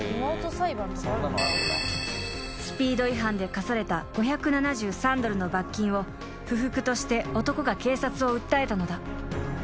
［スピード違反で科された５７３ドルの罰金を不服として男が警察を訴えたのだ］